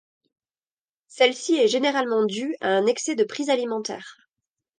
Celle-ci est généralement due à un excès de prise alimentaire.